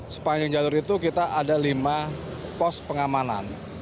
sepanjang jalur itu kita ada lima pos pengamanan